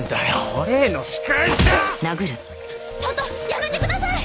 やめてください！